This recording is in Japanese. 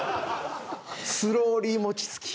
スローリー餅つき。